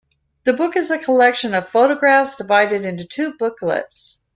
The book is a collection of photographs, divided into two booklets.